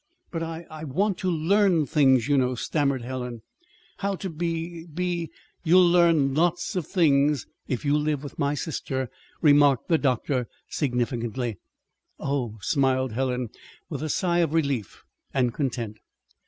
"But I I want to to learn things, you know," stammered Helen; "how to be be " "You'll learn lots of things, if you live with my sister," remarked the doctor significantly. "Oh!" smiled Helen, with a sigh of relief and content.